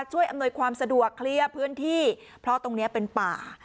อำนวยความสะดวกเคลียร์พื้นที่เพราะตรงนี้เป็นป่า